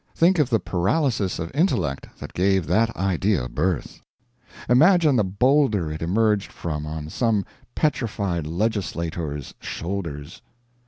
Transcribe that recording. Think of the paralysis of intellect that gave that idea birth; imagine the boulder it emerged from on some petrified legislator's shoulders.